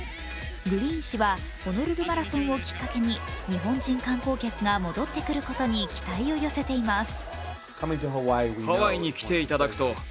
グリーン氏はホノルルマラソンをきっかけに、日本人観光客が戻ってくることに期待を寄せています。